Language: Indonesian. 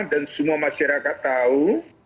dan semua masyarakat tahu